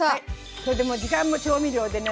これでもう時間も調味料でね